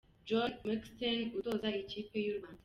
Johnny Mckinstry, utoza ikipe y’u Rwanda.